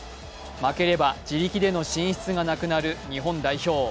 負ければ自力での進出がなくなる日本代表。